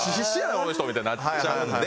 この人！みたいになっちゃうんで。